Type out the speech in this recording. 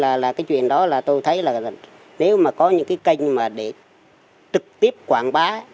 là cái chuyện đó là tôi thấy là nếu mà có những cái kênh mà để trực tiếp quảng bá